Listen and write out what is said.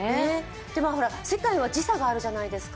世界は時差があるじゃないですか。